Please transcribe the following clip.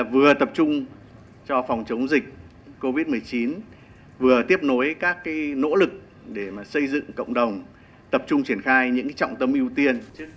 vừa tập trung cho phòng chống dịch covid một mươi chín vừa tiếp nối các nỗ lực để xây dựng cộng đồng tập trung triển khai những trọng tâm ưu tiên